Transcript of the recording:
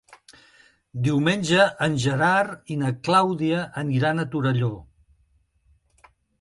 Diumenge en Gerard i na Clàudia aniran a Torelló.